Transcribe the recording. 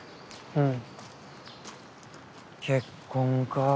うん。